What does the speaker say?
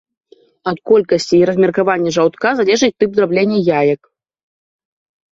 Ад колькасці і размеркавання жаўтка залежыць тып драбнення яек.